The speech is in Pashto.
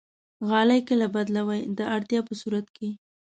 غالۍ کله بدلوئ؟ د اړتیا په صورت کې